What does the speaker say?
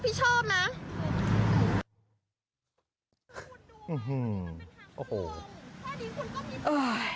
พอดีคุณก็มีความรู้สึก